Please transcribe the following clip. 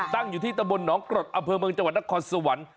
ตั้งอยู่ที่ตะบนหนองกรดอำเภอเมืองจังหวัดนครสวรรค์